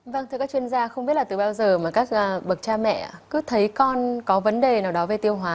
vâng thưa các chuyên gia không biết là từ bao giờ mà các bậc cha mẹ cứ thấy con có vấn đề nào đó về tiêu hóa